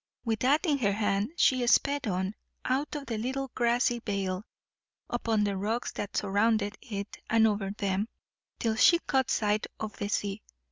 With that in her hand she sped on, out of the little grassy vale, upon the rocks that surrounded it, and over them, till she caught sight of the sea.